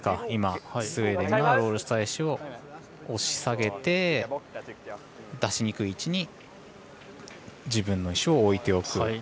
今スウェーデンがロールした石を押し下げて、出しにくい位置に自分の石を置いておく。